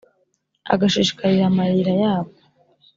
agashishikarira amayira yabwo,